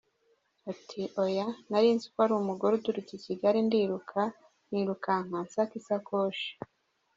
Ati :”Oya, narinzi ngo ni umugore uturutse I Kigali ndiruka nirukanka nsaka isakoshi.